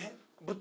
豚！？